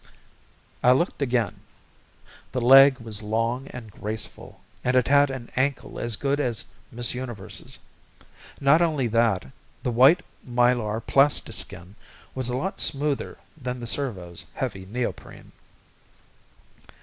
I looked again. The leg was long and graceful and it had an ankle as good as Miss Universe's. Not only that, the white Mylar plasti skin was a lot smoother than the servos' heavy neoprene.